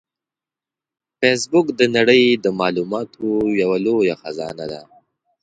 فېسبوک د نړۍ د معلوماتو یوه لویه خزانه ده